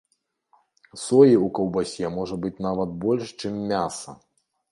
Соі ў каўбасе можа быць нават больш, чым мяса!